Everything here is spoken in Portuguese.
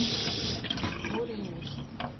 Morrinhos